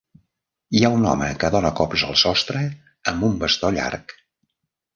Hi ha un home que dona cops al sostre amb un bastó llarg.